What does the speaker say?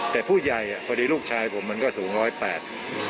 แต่ผู้ใหญ่พอดีลูกชายผมมันก็สูง๑๐๘เซน